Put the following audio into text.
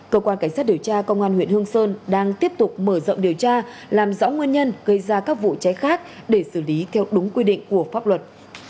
cơ quan cảnh sát điều tra công an huyện hương sơn đang tiếp tục mở rộng điều tra làm rõ nguyên nhân gây ra các vụ cháy khác để xử lý theo đúng quy định của pháp luật